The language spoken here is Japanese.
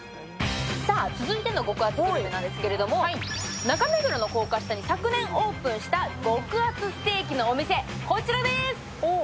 さあ続いての極厚グルメなんですけれども、中目黒の高架下に昨年オープンした極厚ステーキのお店、こちらです！